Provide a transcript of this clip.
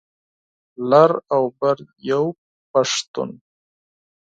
لر او بر یو پښتون.